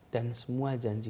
dan semua janji